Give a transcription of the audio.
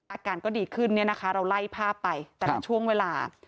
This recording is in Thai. อาการก็ดีขึ้นเราไล่ภาพไปแต่ละช่วงเวลา